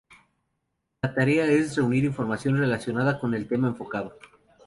La tarea es reunir información relacionada con el tema enfocado.